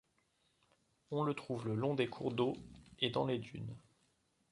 On le trouve le long des cours d'eau et dans les dunes.